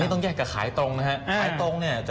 เป็นตรงแยกกับขายตรงนะฮะ